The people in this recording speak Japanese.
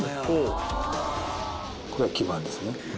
これが基板ですね。